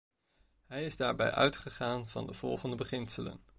Hij is daarbij uitgegaan van de volgende beginselen.